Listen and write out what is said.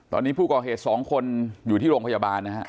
ตอนนี้ผู้ก่อเหตุ๒คนอยู่ที่โรงพยาบาลนะฮะ